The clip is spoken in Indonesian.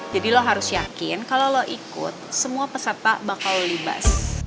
jadi lo harus yakin kalo lo ikut semua peserta bakal libas